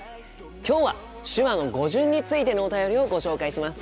今日は手話の語順についてのお便りをご紹介します。